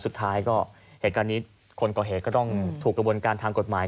สุดท้ายก็เหตุการณ์นี้คนก่อเหตุก็ต้องถูกกระบวนการทางกฎหมาย